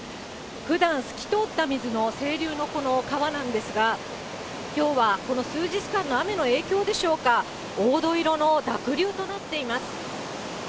ふだん、透き通った水の清流のこの川なんですが、きょうはこの数日間の雨の影響でしょうか、黄土色の濁流となっています。